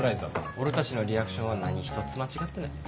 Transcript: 俺たちのリアクションは何ひとつ間違ってない。